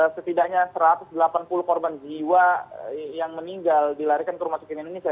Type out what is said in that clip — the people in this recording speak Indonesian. setidaknya satu ratus delapan puluh korban jiwa yang meninggal dilarikan ke rumah sakit indonesia